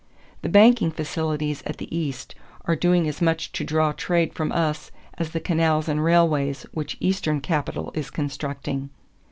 The banking facilities at the East are doing as much to draw trade from us as the canals and railways which Eastern capital is constructing."